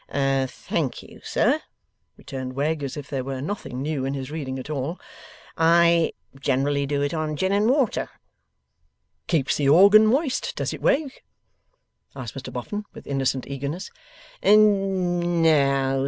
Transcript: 'Thank you, sir,' returned Wegg, as if there were nothing new in his reading at all. 'I generally do it on gin and water.' 'Keeps the organ moist, does it, Wegg?' asked Mr Boffin, with innocent eagerness.